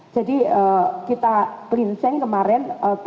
jadi kita kelinseng kemarin